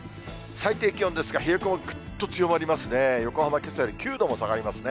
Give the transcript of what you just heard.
最低気温ですが冷え込み、ぐっと強まりますね。